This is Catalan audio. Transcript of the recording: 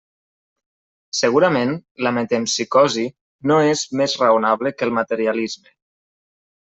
Segurament, la metempsicosi no és més raonable que el materialisme.